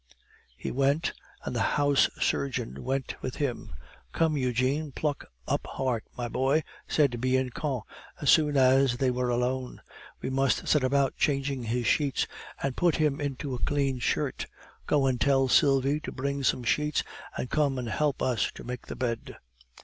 He went, and the house surgeon went with him. "Come, Eugene, pluck up heart, my boy," said Bianchon, as soon as they were alone; "we must set about changing his sheets, and put him into a clean shirt. Go and tell Sylvie to bring some sheets and come and help us to make the bed."